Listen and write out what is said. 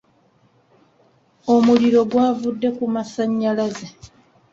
Omuliro gwavudde ku masanyalaze